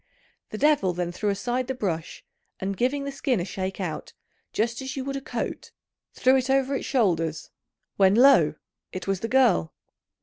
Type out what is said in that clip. The devil then threw aside the brush, and giving the skin a shake out, just as you would a coat, threw it over its shoulders, when, lo! it was the girl.